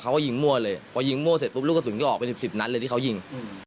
เขาก็ยิงมั่วเลยพอยิงมั่วเสร็จปุ๊บลูกกระสุนก็ออกไปสิบสิบนัดเลยที่เขายิง